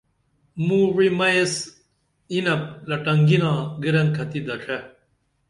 موں وعی مئیس یینپ لٹنگینا گِرنکھتی دڇھے